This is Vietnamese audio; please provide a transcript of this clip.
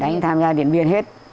đánh tham gia điện biên hết